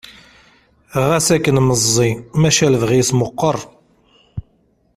Ɣas akken meẓẓi maca lebɣi-s meqqar.